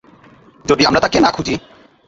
যদি আমরা তাকে না খুঁজি।